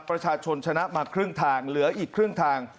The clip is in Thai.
ประชาชนชนะมาครึ่งทางเหลืออีกครึ่งทาง